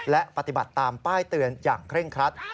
และปฏิบัติตามป้ายเตือนอย่างเคร่งครัด